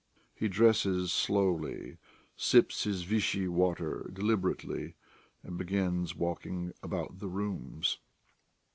He dresses slowly, sips his Vichy water deliberately, and begins walking about the rooms.